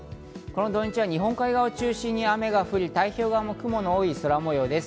この土日は日本海側を中心に雨が降り、太平洋側も雲の多い空模様です。